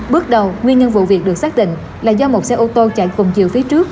bước đầu nguyên nhân vụ việc được xác định là do một xe ô tô chạy cùng chiều phía trước